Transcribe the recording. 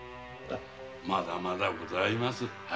まだまだございます。